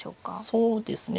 そうですね